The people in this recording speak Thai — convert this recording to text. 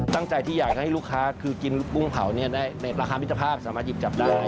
ตั้งใจที่อยากให้ลูกค้าคือกินกุ้งเผาในราคามิตรภาพสามารถหยิบจับได้